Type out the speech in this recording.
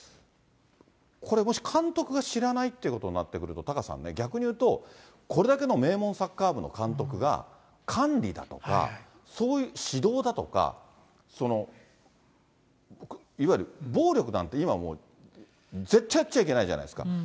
これ、もし監督が知らないってことになってくると、タカさんね、逆にいうと、これだけの名門サッカー部の監督が、管理だとか、そういう指導だとか、いわゆる暴力なんて、今もう絶対やっちゃいけないじゃないですか。